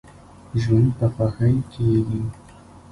ژوند په خوښۍ کیږي.